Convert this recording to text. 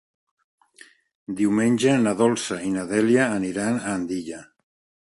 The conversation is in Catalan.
Diumenge na Dolça i na Dèlia aniran a Andilla.